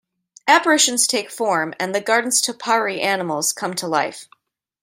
Apparitions take form and the garden's topiary animals come to life.